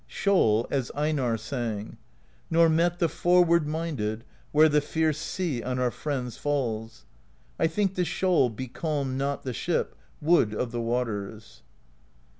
Shoal, as Einarr sang: Nor met the Forward Minded, Where the fierce sea on our friends falls; I think the Shoal becalmed not The Ship, Wood of the Waters.